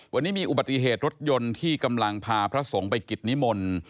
วันนี้มีอุบัติเหตุรถยนต์ที่กำลังพาพระสงฆ์ไปกิจนิมนต์